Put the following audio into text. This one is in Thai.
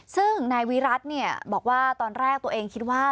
ซึ่งนายวิรัติบอกว่าตอนแรกตัวเองคิดว่า